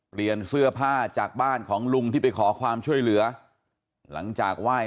เปลี่ยนเสื้อผ้าจากบ้านของลุงที่ไปขอความช่วยเหลือหลังจากไหว้